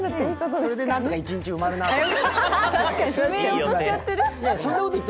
それでなんとか一日埋まるなって。